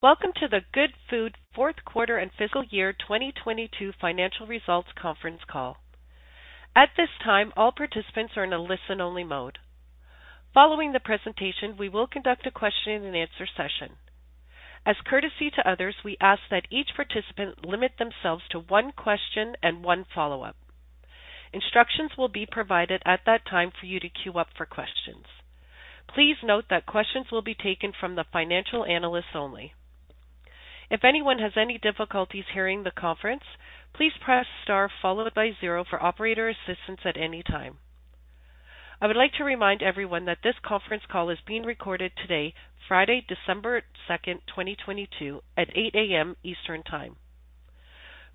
Welcome to the Goodfood 4th Quarter and Fiscal Year 2022 Financial Results Conference Call. At this time, all participants are in a listen-only mode. Following the presentation, we will conduct a question and answer session. As courtesy to others, we ask that each participant limit themselves to one question and one follow-up. Instructions will be provided at that time for you to queue up for questions. Please note that questions will be taken from the financial analysts only. If anyone has any difficulties hearing the conference, please press Star 0 for operator assistance at any time. I would like to remind everyone that this conference call is being recorded today, Friday, December 2nd, 2022 at 8:00 A.M. Eastern Time.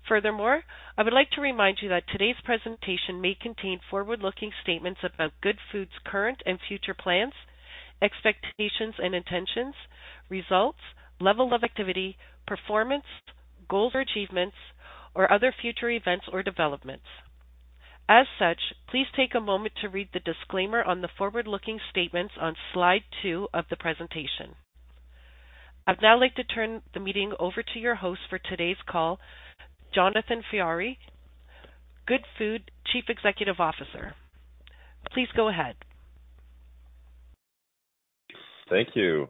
Furthermore, I would like to remind you that today's presentation may contain forward-looking statements about Goodfood's current and future plans, expectations and intentions, results, level of activity, performance, goals, or achievements, or other future events or developments. As such, please take a moment to read the disclaimer on the forward-looking statements on slide two of the presentation. I'd now like to turn the meeting over to your host for today's call, Jonathan Ferrari, Goodfood Chief Executive Officer. Please go ahead. Thank you.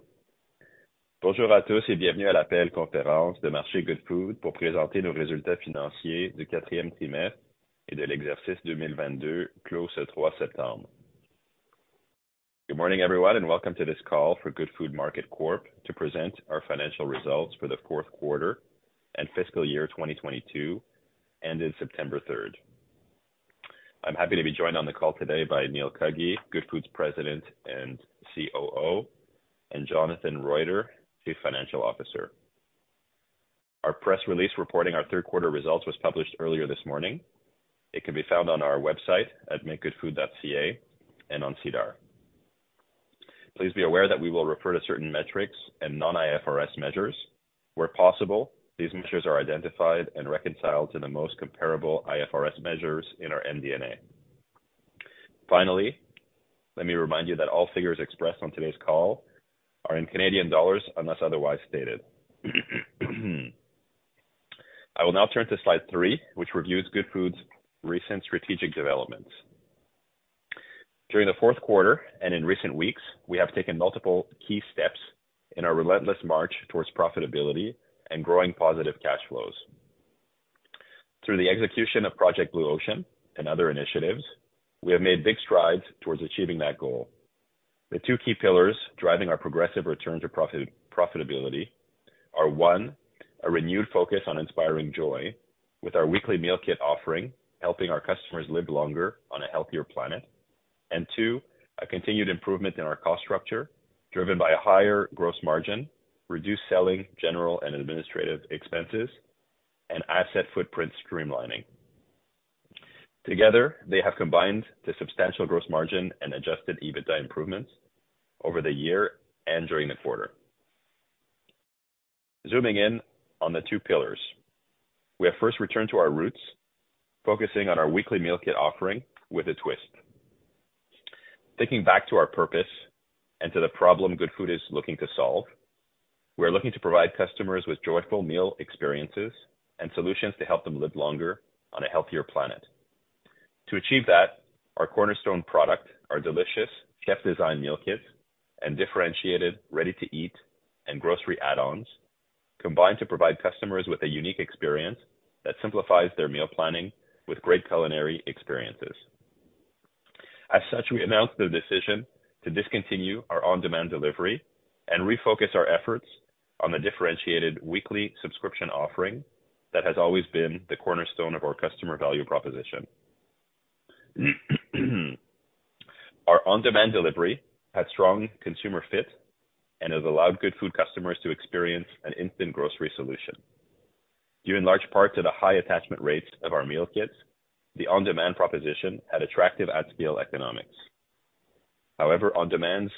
Bonjour à tous et bienvenue à l'appel conférence de marché Goodfood pour présenter nos résultats financiers du quatrième trimestre et de l'exercice 2022 clos ce 3 septembre. Good morning, everyone, welcome to this call for Goodfood Market Corp. to present our financial results for the fourth quarter and fiscal year 2022 ended September 3rd. I'm happy to be joined on the call today by Neil Cuggy, Goodfood's President and COO, and Jonathan Roiter, Chief Financial Officer. Our press release reporting our third quarter results was published earlier this morning. It can be found on our website at makegoodfood.ca and on SEDAR. Please be aware that we will refer to certain metrics and non-IFRS measures. Where possible, these measures are identified and reconciled to the most comparable IFRS measures in our MD&A. Finally, let me remind you that all figures expressed on today's call are in Canadian dollars unless otherwise stated. I will now turn to slide three, which reviews Goodfood's recent strategic developments. During the fourth quarter and in recent weeks, we have taken multiple key steps in our relentless march towards profitability and growing positive cash flows. Through the execution of Project Blue Ocean and other initiatives, we have made big strides towards achieving that goal. The two key pillars driving our progressive return to profitability are, one, a renewed focus on inspiring joy with our weekly meal kit offering, helping our customers live longer on a healthier planet. two, a continued improvement in our cost structure driven by a higher gross margin, reduced Selling, General & Administrative Expenses, and asset footprint streamlining. Together, they have combined to substantial gross margin and Adjusted EBITDA improvements over the year and during the quarter. Zooming in on the two pillars, we have first returned to our roots, focusing on our weekly meal kit offering with a twist. Thinking back to our purpose and to the problem Goodfood is looking to solve, we are looking to provide customers with joyful meal experiences and solutions to help them live longer on a healthier planet. To achieve that, our cornerstone product, our delicious chef-designed meal kits and differentiated ready-to-eat and grocery add-ons, combine to provide customers with a unique experience that simplifies their meal planning with great culinary experiences. We announced the decision to discontinue our Goodfood On-Demand and refocus our efforts on the differentiated weekly subscription offering that has always been the cornerstone of our customer value proposition. Our on-demand delivery had strong consumer fit and has allowed Goodfood customers to experience an instant grocery solution. Due in large part to the high attachment rates of our meal kits, the on-demand proposition had attractive at-scale economics. However, on-demand's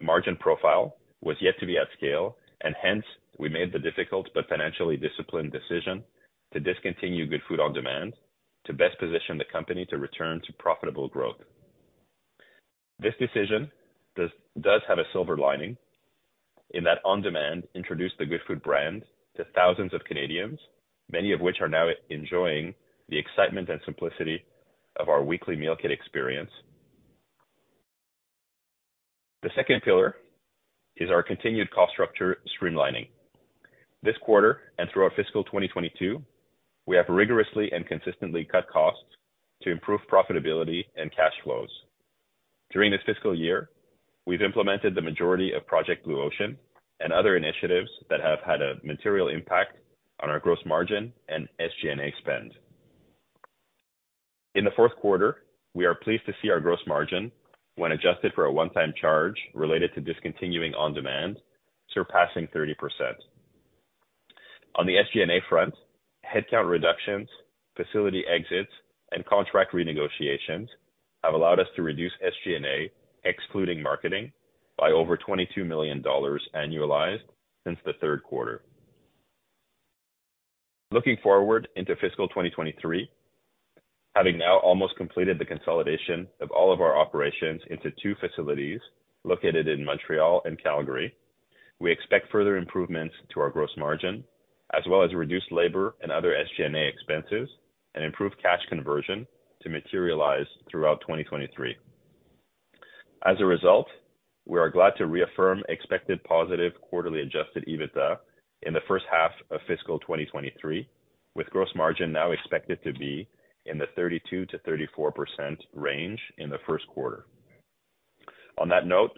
margin profile was yet to be at scale, and hence we made the difficult but financially disciplined decision to discontinue Goodfood On-Demand to best position the company to return to profitable growth. This decision does have a silver lining in that on-demand introduced the Goodfood brand to thousands of Canadians, many of which are now enjoying the excitement and simplicity of our weekly meal kit experience. The second pillar is our continued cost structure streamlining. This quarter and through our fiscal 2022, we have rigorously and consistently cut costs to improve profitability and cash flows. During this fiscal year, we've implemented the majority of Project Blue Ocean and other initiatives that have had a material impact on our gross margin and SG&A spend. In the fourth quarter, we are pleased to see our gross margin, when adjusted for a one-time charge related to discontinuing on-demand, surpassing 30%. On the SG&A front, headcount reductions, facility exits, and contract renegotiations have allowed us to reduce SG&A, excluding marketing, by over 22 million dollars annualized since the third quarter. Looking forward into fiscal 2023, having now almost completed the consolidation of all of our operations into two facilities located in Montreal and Calgary, we expect further improvements to our gross margin, as well as reduced labor and other SG&A expenses and improved cash conversion to materialize throughout 2023. As a result, we are glad to reaffirm expected positive quarterly Adjusted EBITDA in the first half of fiscal 2023, with gross margin now expected to be in the 32%-34% range in the first quarter. On that note,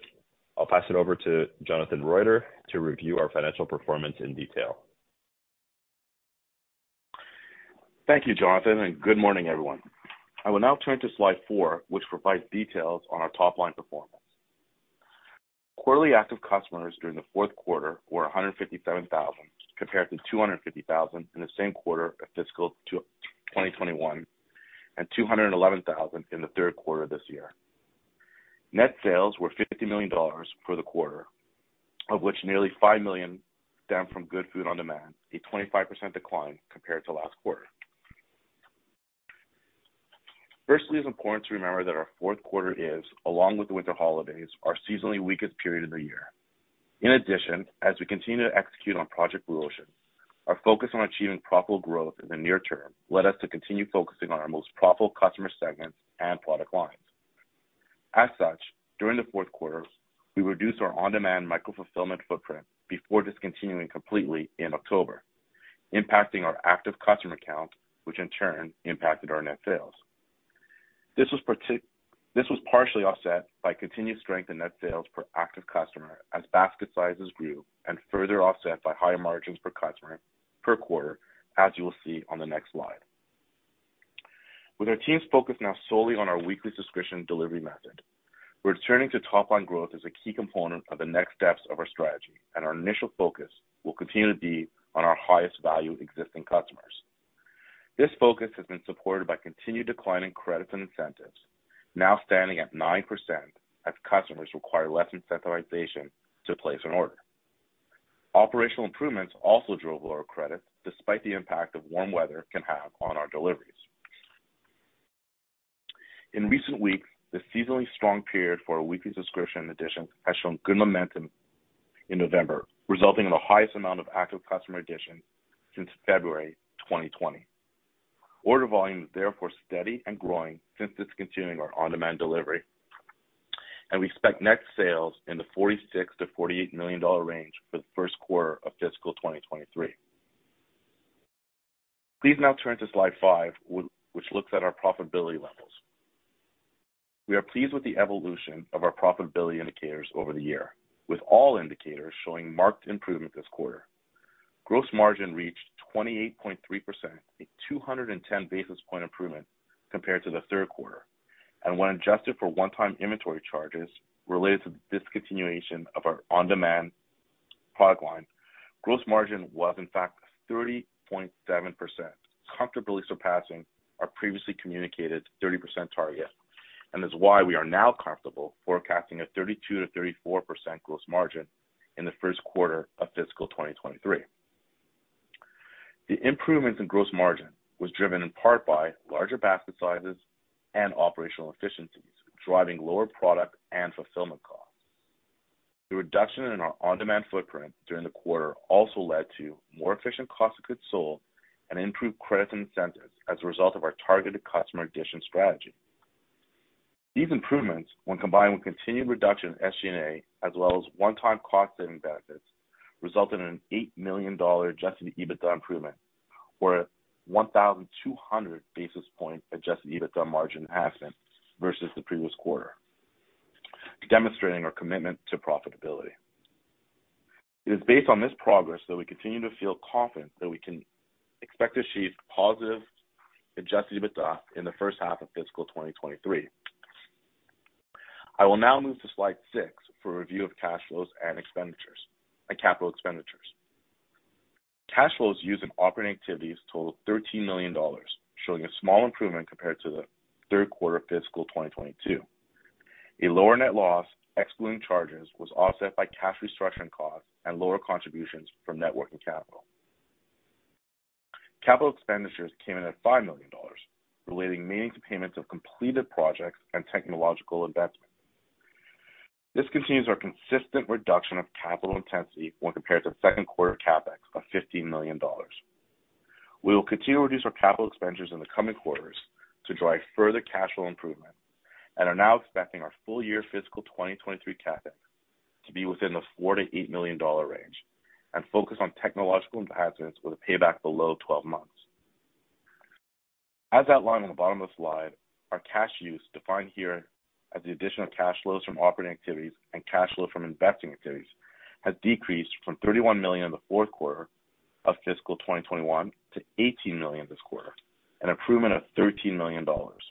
I'll pass it over to Jonathan Roiter to review our financial performance in detail. Thank you, Jonathan. Good morning, everyone. I will now turn to slide four, which provides details on our top-line performance. Quarterly active customers during the fourth quarter were 157,000, compared to 250,000 in the same quarter of fiscal 2021 and 211,000 in the third quarter of this year. Net sales were 50 million dollars for the quarter, of which nearly 5 million stem from Goodfood On-Demand, a 25% decline compared to last quarter. Firstly, it's important to remember that our fourth quarter is, along with the winter holidays, our seasonally weakest period of the year. In addition, as we continue to execute on Project Blue Ocean, our focus on achieving profitable growth in the near term led us to continue focusing on our most profitable customer segments and product lines. As such, during the fourth quarter, we reduced our on-demand micro-fulfillment footprint before discontinuing completely in October, impacting our active customer count, which in turn impacted our net sales. This was partially offset by continued strength in net sales per active customer as basket sizes grew and further offset by higher margins per customer per quarter, as you will see on the next slide. With our team's focus now solely on our weekly subscription delivery method, returning to top line growth is a key component of the next steps of our strategy. Our initial focus will continue to be on our highest value existing customers. This focus has been supported by continued declining credits and incentives, now standing at 9% as customers require less incentivization to place an order. Operational improvements also drove lower credit despite the impact of warm weather can have on our deliveries. In recent weeks, the seasonally strong period for a weekly subscription addition has shown good momentum in November, resulting in the highest amount of active customer additions since February 2020. Order volume is therefore steady and growing since discontinuing our on-demand delivery, and we expect net sales in the 46 million-48 million dollar range for the first quarter of fiscal 2023. Please now turn to slide five which looks at our profitability levels. We are pleased with the evolution of our profitability indicators over the year, with all indicators showing marked improvement this quarter. Gross margin reached 28.3%, a 210 basis point improvement compared to the third quarter. When adjusted for one-time inventory charges related to the discontinuation of our On-Demand product line, gross margin was in fact 30.7%, comfortably surpassing our previously communicated 30% target, and is why we are now comfortable forecasting a 32%-34% gross margin in the first quarter of fiscal 2023. The improvements in gross margin was driven in part by larger basket sizes and operational efficiencies, driving lower product and fulfillment costs. The reduction in our On-Demand footprint during the quarter also led to more efficient cost of goods sold and improved credit incentives as a result of our targeted customer addition strategy. These improvements, when combined with continued reduction in SG&A as well as one-time cost saving benefits, resulted in a 8 million dollar Adjusted EBITDA improvement or a 1,200 basis point Adjusted EBITDA margin expansion versus the previous quarter, demonstrating our commitment to profitability. It is based on this progress that we continue to feel confident that we can expect to achieve positive Adjusted EBITDA in the first half of fiscal 2023. I will now move to slide six for a review of cash flows and capital expenditures. Cash flows used in operating activities totaled 13 million dollars, showing a small improvement compared to the third quarter of fiscal 2022. A lower net loss, excluding charges, was offset by cash restructuring costs and lower contributions from net working capital. Capital expenditures came in at 5 million dollars, relating mainly to payments of completed projects and technological investments. This continues our consistent reduction of capital intensity when compared to the second quarter Capex of 15 million dollars. We will continue to reduce our capital expenditures in the coming quarters to drive further cash flow improvement and are now expecting our full year fiscal 2023 Capex to be within the 4 million-8 million dollar range and focus on technological enhancements with a payback below 12 months. As outlined on the bottom of the slide, our cash use, defined here as the addition of cash flows from operating activities and cash flow from investing activities, has decreased from 31 million in the fourth quarter of fiscal 2021 to 18 million this quarter, an improvement of 13 million dollars.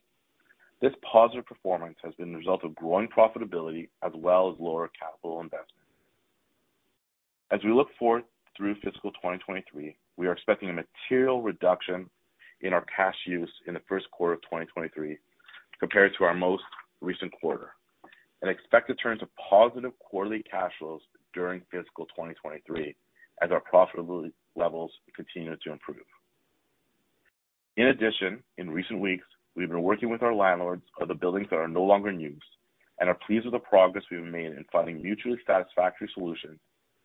This positive performance has been the result of growing profitability as well as lower capital investment. As we look forward through fiscal 2023, we are expecting a material reduction in our cash use in the first quarter of 2023 compared to our most recent quarter. Expect to turn to positive quarterly cash flows during fiscal 2023 as our profitability levels continue to improve. In addition, in recent weeks, we've been working with our landlords for the buildings that are no longer in use and are pleased with the progress we've made in finding mutually satisfactory solutions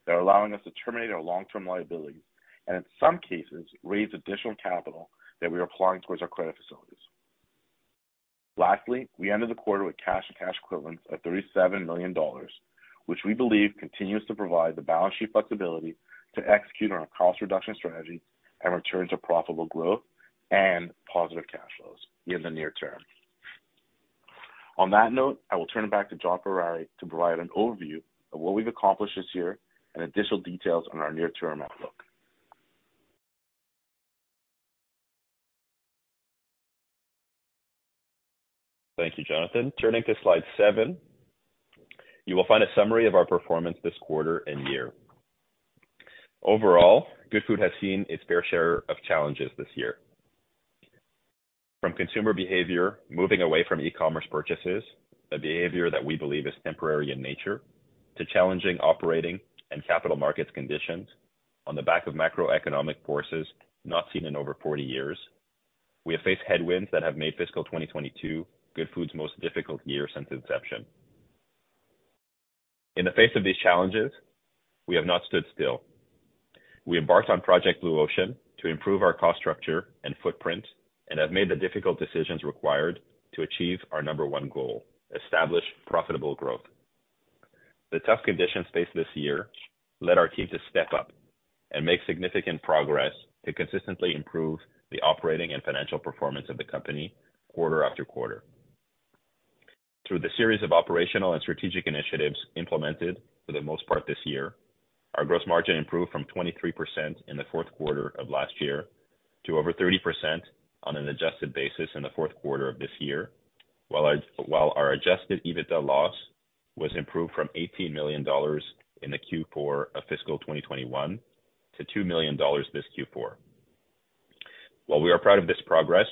that are allowing us to terminate our long-term liabilities, and in some cases, raise additional capital that we are applying towards our credit facilities. Lastly, we ended the quarter with cash and cash equivalents of 37 million dollars, which we believe continues to provide the balance sheet flexibility to execute on our cost reduction strategy and return to profitable growth and positive cash flows in the near term. On that note, I will turn it back to John Ferrari to provide an overview of what we've accomplished this year and additional details on our near-term outlook. Thank you, Jonathan. Turning to slide seven, you will find a summary of our performance this quarter and year. Overall, Goodfood has seen its fair share of challenges this year. From consumer behavior moving away from e-commerce purchases, a behavior that we believe is temporary in nature, to challenging operating and capital markets conditions on the back of macroeconomic forces not seen in over 40 years, we have faced headwinds that have made fiscal 2022 Goodfood's most difficult year since inception. In the face of these challenges, we have not stood still. We embarked on Project Blue Ocean to improve our cost structure and footprint, and have made the difficult decisions required to achieve our number one goal, establish profitable growth. The tough conditions faced this year led our team to step up and make significant progress to consistently improve the operating and financial performance of the company quarter after quarter. Through the series of operational and strategic initiatives implemented for the most part this year, our gross margin improved from 23% in the fourth quarter of last year to over 30% on an adjusted basis in the fourth quarter of this year. While our Adjusted EBITDA loss was improved from 18 million dollars in the Q4 of fiscal 2021 to 2 million dollars this Q4. While we are proud of this progress,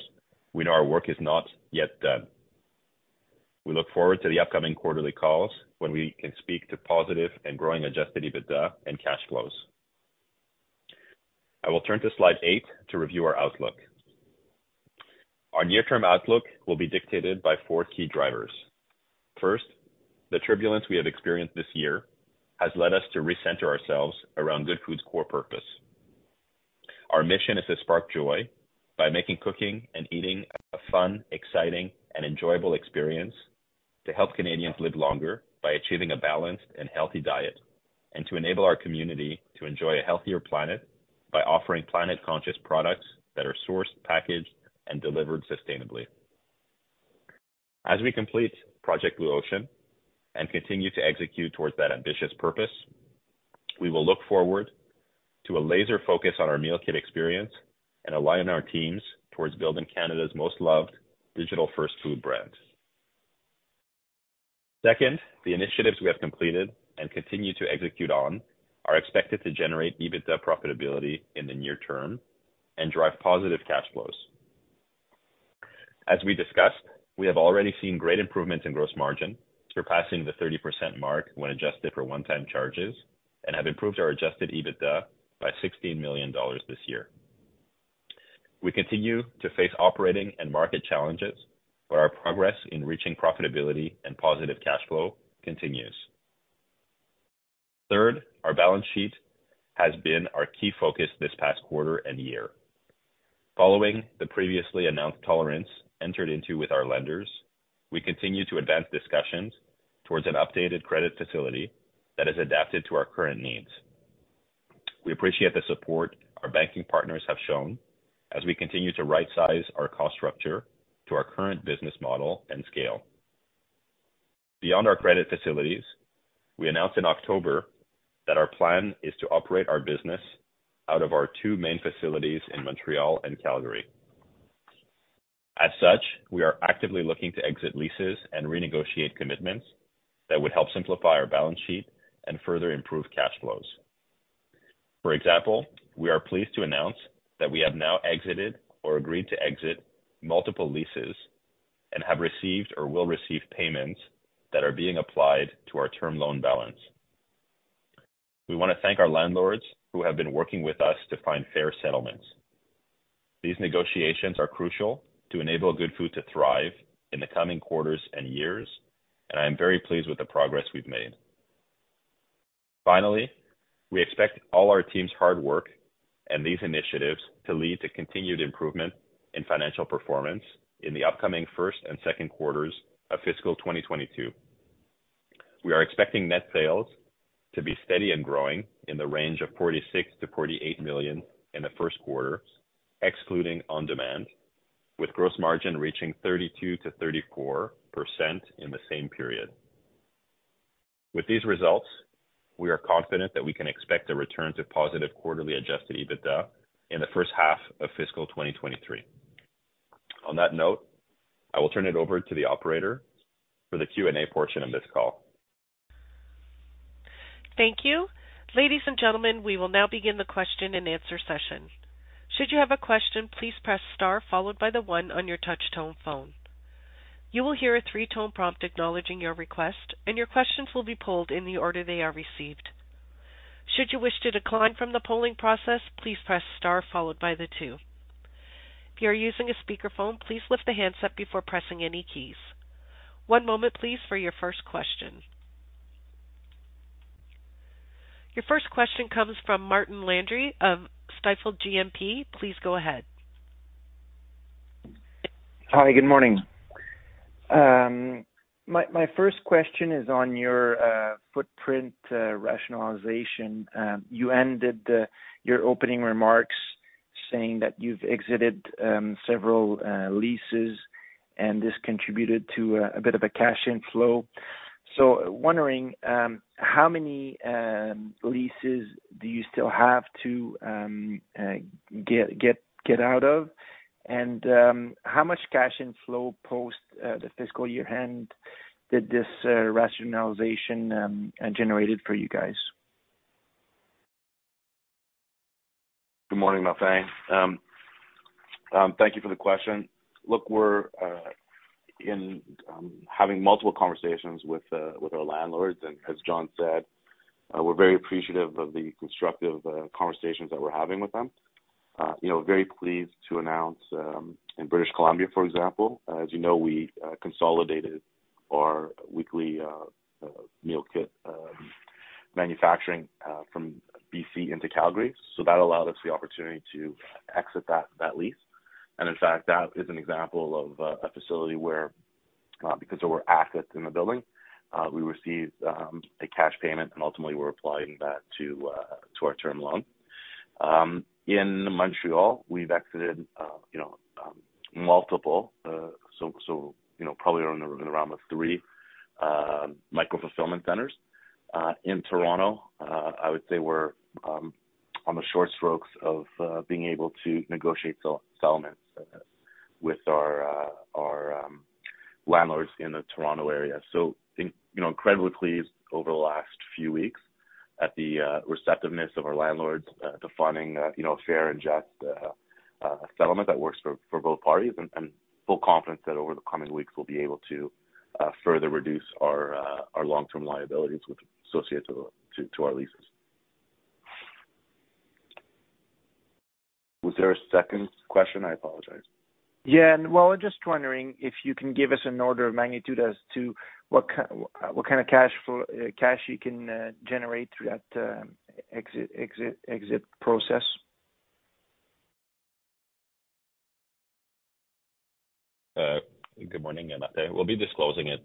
we know our work is not yet done. We look forward to the upcoming quarterly calls when we can speak to positive and growing Adjusted EBITDA and cash flows. I will turn to slide eight to review our outlook. Our near-term outlook will be dictated by four key drivers. First, the turbulence we have experienced this year has led us to recenter ourselves around Goodfood's core purpose. Our mission is to spark joy by making cooking and eating a fun, exciting, and enjoyable experience, to help Canadians live longer by achieving a balanced and healthy diet, and to enable our community to enjoy a healthier planet by offering planet-conscious products that are sourced, packaged, and delivered sustainably. As we complete Project Blue Ocean and continue to execute towards that ambitious purpose, we will look forward to a laser focus on our meal kit experience and align our teams towards building Canada's most loved digital-first food brands. Second, the initiatives we have completed and continue to execute on are expected to generate EBITDA profitability in the near term and drive positive cash flows. As we discussed, we have already seen great improvements in gross margin, surpassing the 30% mark when adjusted for one-time charges, and have improved our Adjusted EBITDA by 16 million dollars this year. We continue to face operating and market challenges, but our progress in reaching profitability and positive cash flow continues. Third, our balance sheet has been our key focus this past quarter and year. Following the previously announced tolerance entered into with our lenders, we continue to advance discussions towards an updated credit facility that is adapted to our current needs. We appreciate the support our banking partners have shown as we continue to right-size our cost structure to our current business model and scale. Beyond our credit facilities, we announced in October that our plan is to operate our business out of our two main facilities in Montreal and Calgary. As such, we are actively looking to exit leases and renegotiate commitments that would help simplify our balance sheet and further improve cash flows. For example, we are pleased to announce that we have now exited or agreed to exit multiple leases and have received or will receive payments that are being applied to our term loan balance. We want to thank our landlords who have been working with us to find fair settlements. These negotiations are crucial to enable Goodfood to thrive in the coming quarters and years, and I am very pleased with the progress we've made. Finally, we expect all our team's hard work and these initiatives to lead to continued improvement in financial performance in the upcoming first and second quarters of fiscal 2022. We are expecting net sales to be steady and growing in the range of 46 million-48 million in the first quarter, excluding on-demand, with gross margin reaching 32%-34% in the same period. With these results, we are confident that we can expect a return to positive quarterly Adjusted EBITDA in the first half of fiscal 2023. On that note, I will turn it over to the operator for the Q&A portion of this call. Thank you. Ladies and gentlemen, we will now begin the question and answer session. Should you have a question, please press star followed by the one on your touch tone phone. You will hear a three-tone prompt acknowledging your request, and your questions will be polled in the order they are received. Should you wish to decline from the polling process, please press star followed by the two. If you are using a speakerphone, please lift the handset before pressing any keys. One moment, please, for your first question. Your first question comes from Martin Landry of Stifel GMP. Please go ahead. Hi, good morning. My first question is on your footprint rationalization. You ended your opening remarks saying that you've exited several leases and this contributed to a bit of a cash inflow. Wondering how many leases do you still have to get out of? How much cash inflow post the fiscal year-end did this rationalization generated for you guys? Good morning, Martin. Thank you for the question. Look, we're in having multiple conversations with our landlords. As John said, we're very appreciative of the constructive conversations that we're having with them. you know, very pleased to announce in British Columbia, for example, as you know, we consolidated our weekly meal kit manufacturing from BC into Calgary. That allowed us the opportunity to exit that lease. In fact, that is an example of a facility where because there were assets in the building, we received a cash payment, and ultimately we're applying that to our term loan. In Montreal, we've exited, you know, multiple, so, you know, probably around, in the realm of three micro-fulfillment centers. In Toronto, I would say we're on the short strokes of being able to negotiate some settlements with our landlords in the Toronto area. You know, incredibly pleased over the last few weeks at the receptiveness of our landlords to finding a, you know, fair and just settlement that works for both parties. Full confidence that over the coming weeks, we'll be able to further reduce our long-term liabilities which associate to our leases. Was there a second question? I apologize. Well, I'm just wondering if you can give us an order of magnitude as to what kind of cash you can generate through that exit process. Good morning, Martin. We'll be disclosing it,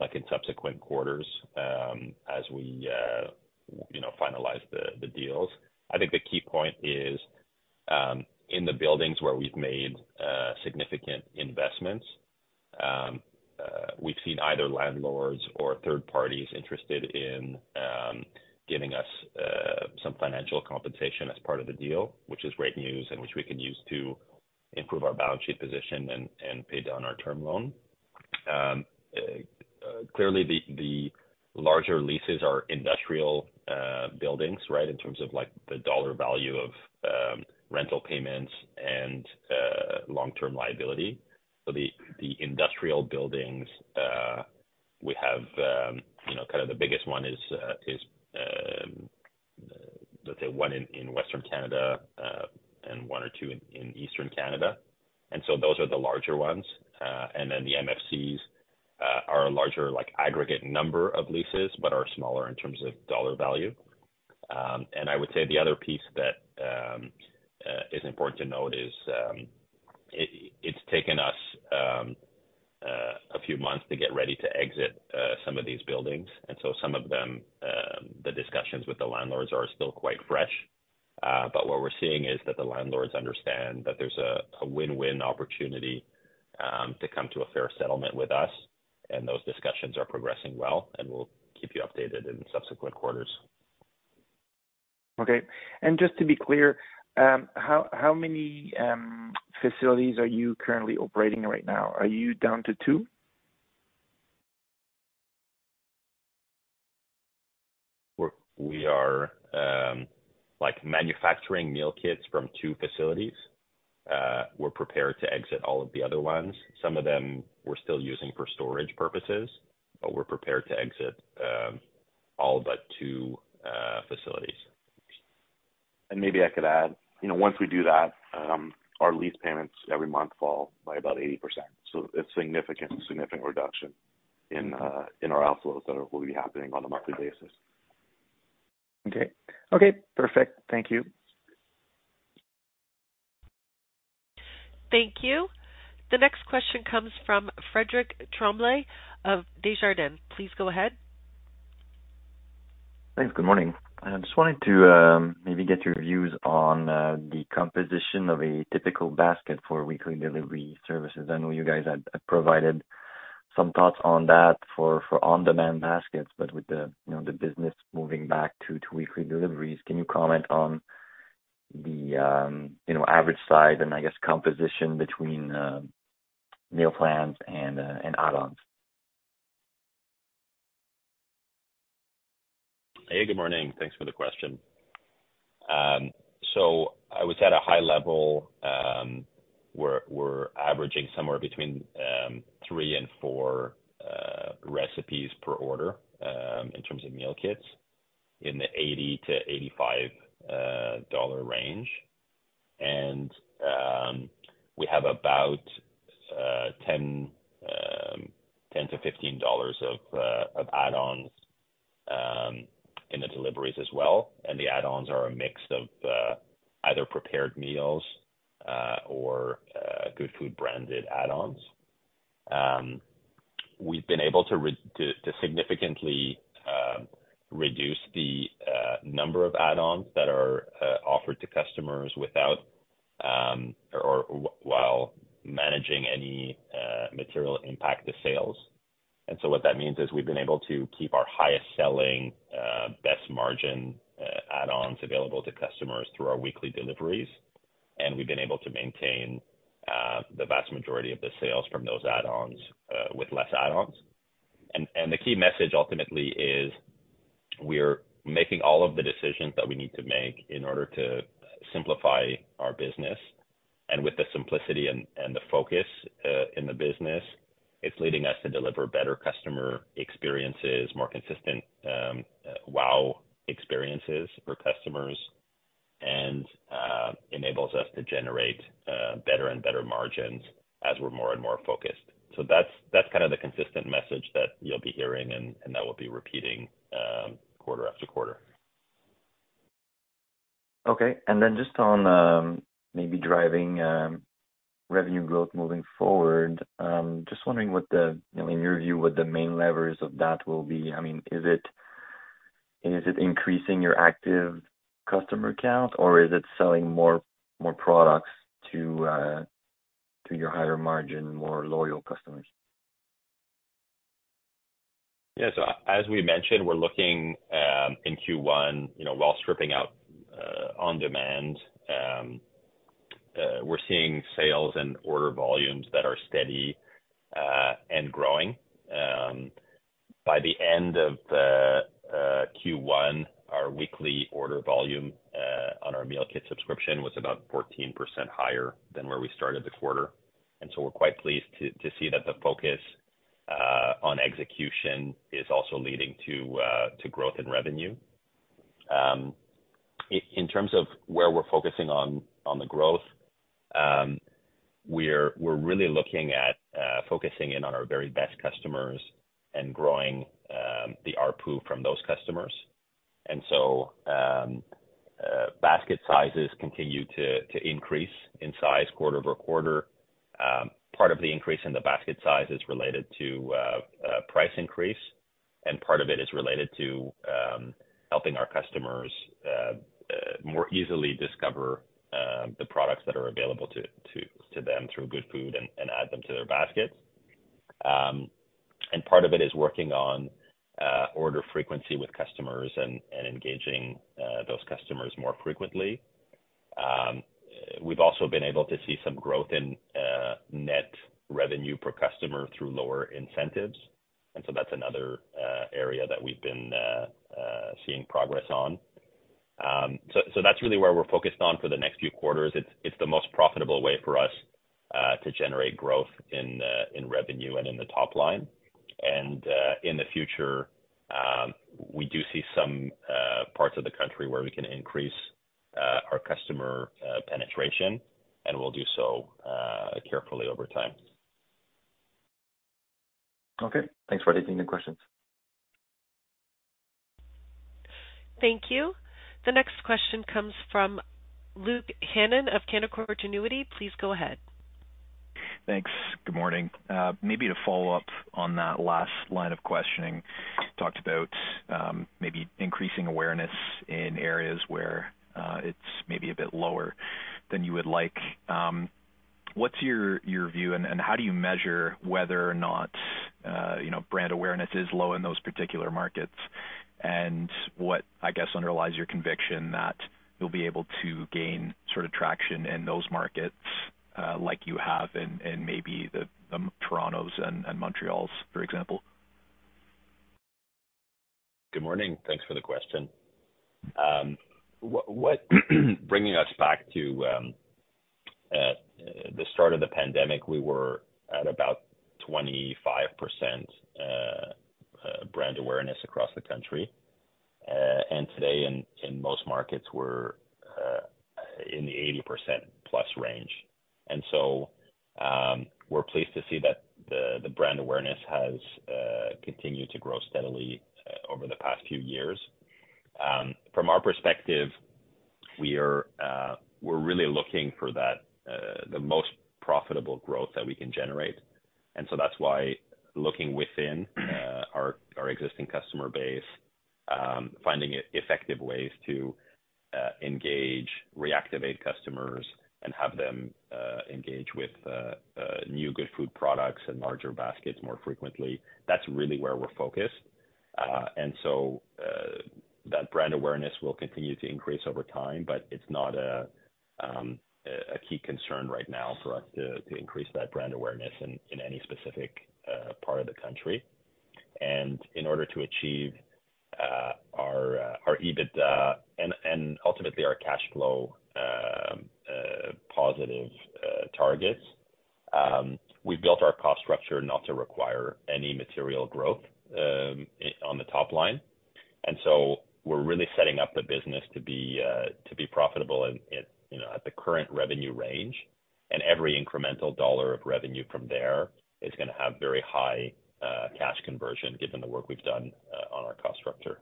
like, in subsequent quarters, as we, you know, finalize the deals. I think the key point is, in the buildings where we've made significant investments, we've seen either landlords or third parties interested in giving us some financial compensation as part of the deal, which is great news and which we can use to improve our balance sheet position and pay down our term loan. Clearly the larger leases are industrial buildings, right? In terms of, like, the dollar value of rental payments and long-term liability. The industrial buildings we have, you know, kind of the biggest one is, let's say one in Western Canada, and one or two in Eastern Canada. Those are the larger ones. The MFCs are a larger, like, aggregate number of leases, but are smaller in terms of CAD value. I would say the other piece that is important to note is it's taken us a few months to get ready to exit some of these buildings. Some of them, the discussions with the landlords are still quite fresh. What we're seeing is that the landlords understand that there's a win-win opportunity to come to a fair settlement with us, and those discussions are progressing well, and we'll keep you updated in subsequent quarters. Okay. Just to be clear, how many facilities are you currently operating right now? Are you down to 2? We are, like, manufacturing meal kits from two facilities. We're prepared to exit all of the other ones. Some of them we're still using for storage purposes, but we're prepared to exit, all but two facilities. Maybe I could add, you know, once we do that, our lease payments every month fall by about 80%. It's significant reduction in our outflows that will be happening on a monthly basis. Okay. Okay, perfect. Thank you. Thank you. The next question comes from Frédéric Tremblay of Desjardins. Please go ahead. Thanks. Good morning. I just wanted to maybe get your views on the composition of a typical basket for weekly delivery services. I know you guys have provided some thoughts on that for on-demand baskets, but with the, you know, the business moving back to two weekly deliveries, can you comment on the, you know, average size and I guess composition between Meal plans and add-ons? Hey, good morning. Thanks for the question. I would say at a high level, we're averaging somewhere between three and four recipes per order, in terms of meal kits in the 80-85 dollar range. We have about 10-15 dollars of add-ons, in the deliveries as well. The add-ons are a mix of either prepared meals, or Goodfood branded add-ons. We've been able to significantly reduce the number of add-ons that are offered to customers without, or while managing any material impact to sales. What that means is we've been able to keep our highest selling, best margin, add-ons available to customers through our weekly deliveries, and we've been able to maintain the vast majority of the sales from those add-ons with less add-ons. The key message ultimately is we're making all of the decisions that we need to make in order to simplify our business. With the simplicity and the focus in the business, it's leading us to deliver better customer experiences, more consistent, wow experiences for customers, and enables us to generate better and better margins as we're more and more focused. That's kind of the consistent message that you'll be hearing and that we'll be repeating quarter-after-quarter. Okay. Just on, maybe driving revenue growth moving forward, just wondering what the, you know, in your view, what the main levers of that will be. I mean, is it increasing your active customer count or is it selling more products to your higher margin, more loyal customers? Yeah. As we mentioned, we're looking, in Q1, you know, while stripping out, on demand, we're seeing sales and order volumes that are steady, and growing. By the end of the Q1, our weekly order volume, on our meal kit subscription was about 14% higher than where we started the quarter. We're quite pleased to see that the focus, on execution is also leading to growth in revenue. In terms of where we're focusing on the growth, we're really looking at focusing in on our very best customers and growing the ARPU from those customers. Basket sizes continue to increase in size quarter-over-quarter. Part of the increase in the basket size is related to price increase, and part of it is related to helping our customers more easily discover the products that are available to them through Goodfood and add them to their baskets. Part of it is working on order frequency with customers and engaging those customers more frequently. We've also been able to see some growth in net revenue per customer through lower incentives, that's another area that we've been seeing progress on. That's really where we're focused on for the next few quarters. It's the most profitable way for us to generate growth in revenue and in the top line. In the future, we do see some parts of the country where we can increase our customer penetration, and we'll do so carefully over time. Okay. Thanks for taking the questions. Thank you. The next question comes from Luke Hannan of Canaccord Genuity. Please go ahead. Thanks. Good morning. Maybe to follow up on that last line of questioning, talked about, maybe increasing awareness in areas where it's maybe a bit lower than you would like. What's your view and how do you measure whether or not, you know, brand awareness is low in those particular markets? What, I guess, underlies your conviction that you'll be able to gain sort of traction in those markets, like you have in maybe the Torontos and Montreals, for example? Good morning. Thanks for the question. What bringing us back to the start of the pandemic, we were at about 25% brand awareness across the country. Today in most markets, we're in the 80% plus range. We're pleased to see that the brand awareness has continued to grow steadily over the past few years. From our perspective, we're really looking for that the most profitable growth that we can generate. That's why looking within our existing customer base, finding effective ways to engage, reactivate customers and have them engage with new Goodfood products and larger baskets more frequently, that's really where we're focused. That brand awareness will continue to increase over time, but it's not a key concern right now for us to increase that brand awareness in any specific part of the country. In order to achieve our EBITDA and ultimately our cash flow positive targets, we've built our cost structure not to require any material growth on the top line. We're really setting up the business to be to be profitable at, you know, at the current revenue range. Every incremental dollar of revenue from there is gonna have very high cash conversion given the work we've done on our cost structure.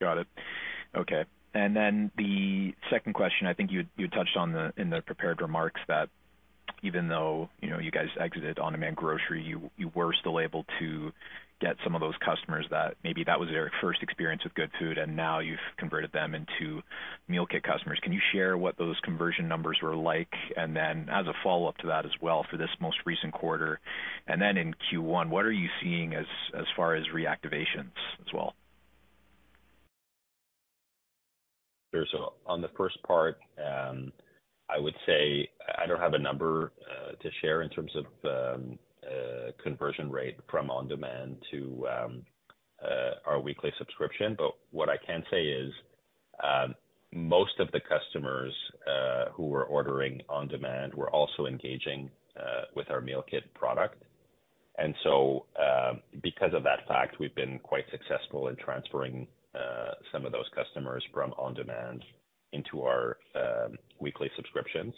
Got it. Okay. The second question, I think you touched on the, in the prepared remarks that even though, you know, you guys exited on-demand grocery, you were still able to get some of those customers that maybe that was their first experience with Goodfood and now you've converted them into meal kit customers. Can you share what those conversion numbers were like? As a follow-up to that as well for this most recent quarter, in Q1, what are you seeing as far as reactivations as well? Sure. On the first part, I would say I don't have a number to share in terms of conversion rate from on-demand to our weekly subscription. What I can say is most of the customers who were ordering on demand were also engaging with our meal kit product. Because of that fact, we've been quite successful in transferring some of those customers from on-demand into our weekly subscriptions.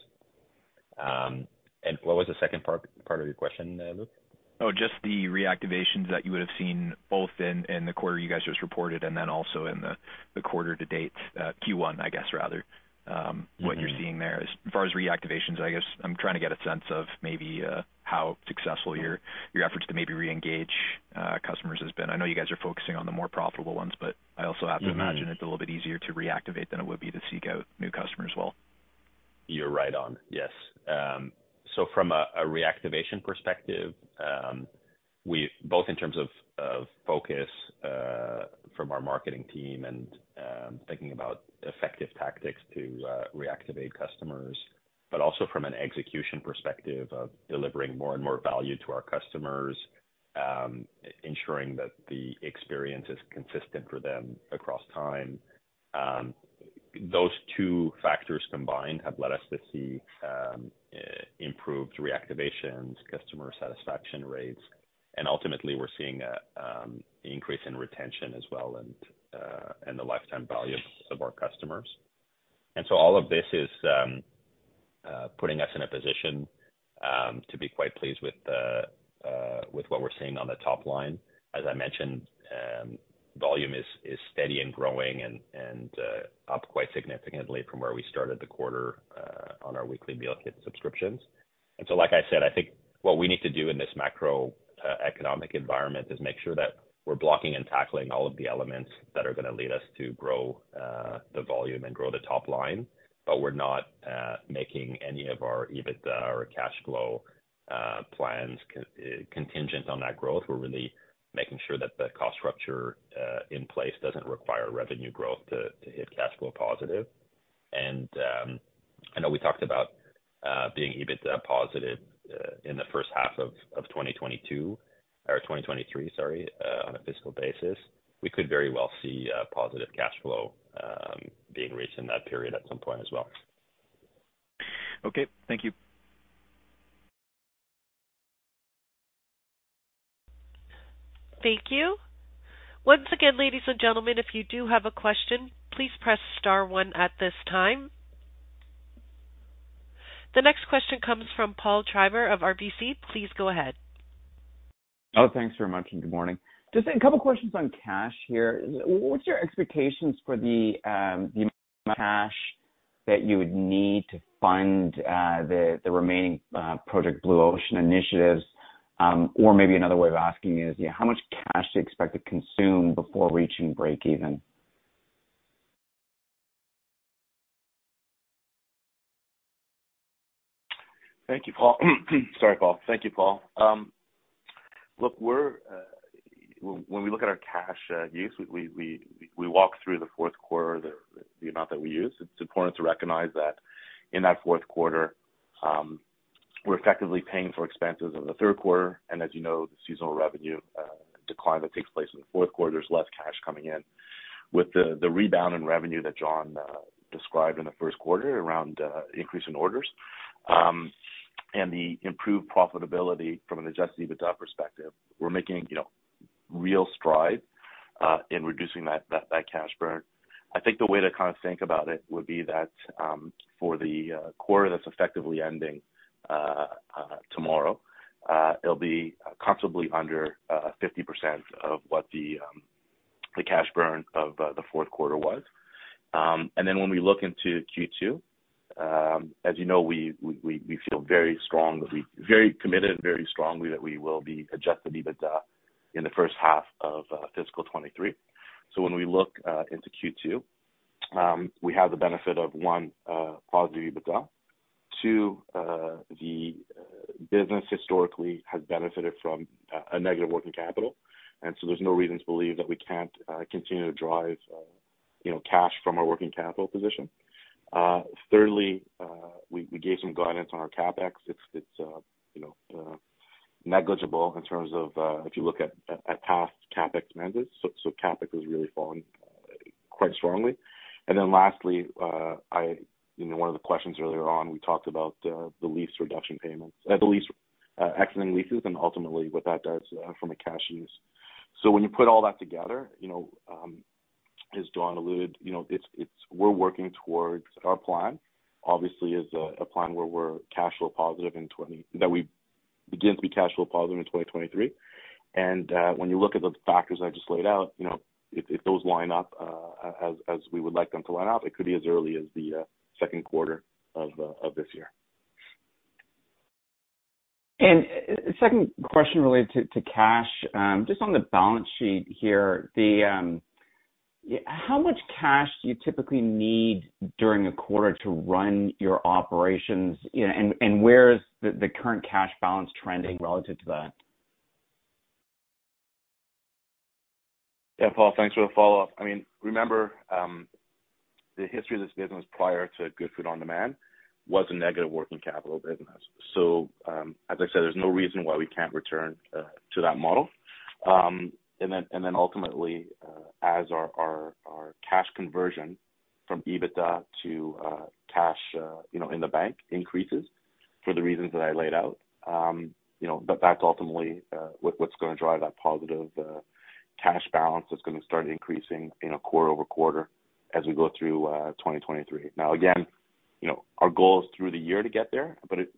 What was the second part of your question, Luke? Just the reactivations that you would have seen both in the quarter you guys just reported and then also in the quarter to date, Q1, I guess, rather. what you're seeing there as far as reactivations. I guess I'm trying to get a sense of maybe, how successful your efforts to maybe reengage, customers has been. I know you guys are focusing on the more profitable ones, but I also have to imagine it's a little bit easier to reactivate than it would be to seek out new customers as well. You're right on, yes. From a reactivation perspective, we both in terms of focus from our marketing team and thinking about effective tactics to reactivate customers, but also from an execution perspective of delivering more and more value to our customers, ensuring that the experience is consistent for them across time. Those two factors combined have led us to see improved reactivations, customer satisfaction rates, and ultimately, we're seeing a increase in retention as well and the lifetime value of our customers. All of this is putting us in a position to be quite pleased with the with what we're seeing on the top line. As I mentioned, volume is steady and growing and up quite significantly from where we started the quarter on our weekly meal kit subscriptions. Like I said, I think what we need to do in this macroeconomic environment is make sure that we're blocking and tackling all of the elements that are gonna lead us to grow the volume and grow the top line. We're not making any of our EBITDA or cash flow plans contingent on that growth. We're really making sure that the cost structure in place doesn't require revenue growth to hit cash flow positive. I know we talked about being EBITDA positive in the first half of 2022 or 2023, sorry, on a fiscal basis. We could very well see, positive cash flow, being reached in that period at some point as well. Okay. Thank you. Thank you. Once again, ladies and gentlemen, if you do have a question, please press star one at this time. The next question comes from Paul Treiber of RBC. Please go ahead. Thanks very much. Good morning. Just a couple questions on cash here. What's your expectations for the cash that you would need to fund the remaining Project Blue Ocean initiatives? Or maybe another way of asking is, how much cash do you expect to consume before reaching breakeven? Thank you, Paul. Sorry, Paul. Thank you, Paul. look, we're when we look at our cash use, we walk through the fourth quarter the amount that we use. It's important to recognize that in that fourth quarter, we're effectively paying for expenses in the third quarter. As you know, the seasonal revenue decline that takes place in the fourth quarter, there's less cash coming in. With the rebound in revenue that John described in the first quarter around increase in orders, and the improved profitability from an Adjusted EBITDA perspective, we're making, you know, real stride in reducing that cash burn. I think the way to kind of think about it would be that, for the quarter that's effectively ending tomorrow, it'll be comfortably under 50% of what the cash burn of the fourth quarter was. When we look into Q2, as you know, we feel very strong, very committed, very strongly that we will be Adjusted EBITDA in the first half of fiscal 2023. When we look into Q2, we have the benefit of one, positive EBITDA. Two, the business historically has benefited from a negative working capital. There's no reason to believe that we can't continue to drive, you know, cash from our working capital position. Thirdly, we gave some guidance on our Capex. It's, you know, negligible in terms of if you look at past Capex mandates. Capex has really fallen quite strongly. Lastly, you know, one of the questions earlier on, we talked about the lease reduction payments. The lease, excellent leases and ultimately what that does from a cash use. When you put all that together, you know, as Jonathan alluded, you know, it's we're working towards our plan, obviously, is a plan where we're cash flow positive, that we begin to be cash flow positive in 2023. When you look at the factors I just laid out, you know, if those line up as we would like them to line up, it could be as early as the second quarter of this year. Second question related to cash. Just on the balance sheet here, how much cash do you typically need during a quarter to run your operations? Where is the current cash balance trending relative to that? Yeah, Paul, thanks for the follow-up. I mean, remember, the history of this business prior to Goodfood On-Demand was a negative working capital business. As I said, there's no reason why we can't return to that model. And then ultimately, as our cash conversion from EBITDA to cash, you know, in the bank increases for the reasons that I laid out, you know. That's ultimately what's gonna drive that positive cash balance that's gonna start increasing, you know, quarter-over-quarter as we go through 2023. Now again, you know, our goal is through the year to get there, but if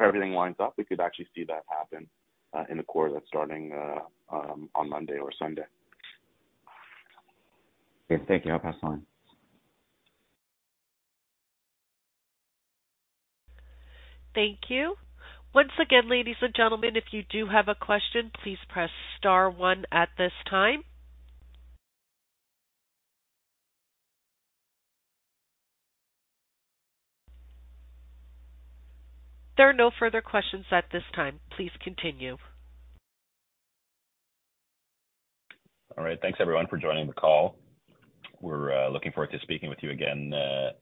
everything lines up, we could actually see that happen in the quarter that's starting on Monday or Sunday. Okay, thank you. I'll pass the line. Thank you. Once again, ladies and gentlemen, if you do have a question, please press star one at this time. There are no further questions at this time. Please continue. All right. Thanks everyone for joining the call. We're looking forward to speaking with you again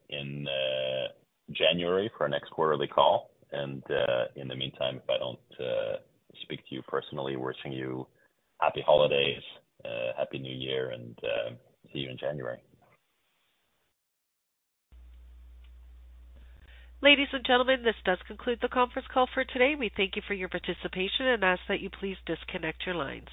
in January for our next quarterly call. In the meantime, if I don't speak to you personally, wishing you happy holidays, happy New Year, and see you in January. Ladies and gentlemen, this does conclude the conference call for today. We thank you for your participation and ask that you please disconnect your lines.